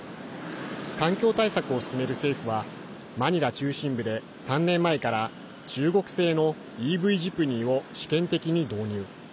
環境対策を進める政府はマニラ中心部で３年前から中国製のＥＶジプニーを試験的に導入。